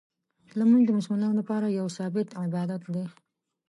لمونځ د مسلمانانو لپاره یو ثابت عبادت دی.